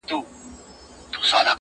خزان یې مه کړې الهي تازه ګلونه.!